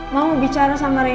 mau bicara sama rena